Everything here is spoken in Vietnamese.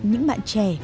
những bạn trẻ